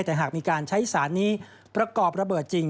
แต่หากมีการใช้สารนี้ประกอบระเบิดจริง